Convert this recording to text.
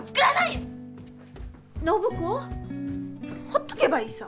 ほっとけばいいさ。